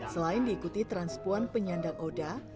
selain diikuti transpuan penyandang oda